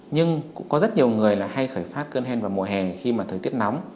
nhưng cũng có rất nhiều người hay khởi phát cơn hen vào mùa hè khi mà thời tiết nóng